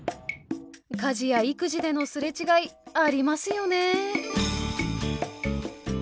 家事や育児での擦れ違いありますよね。